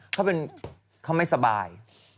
เขาเป็นเขาไม่สบาย